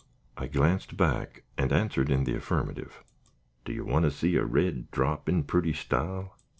I glanced back and answered in the affirmative. "Do you want to see a red drop in purty style?"